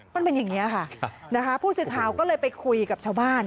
มันเป็นอย่างนี้ค่ะนะคะผู้สื่อข่าวก็เลยไปคุยกับชาวบ้าน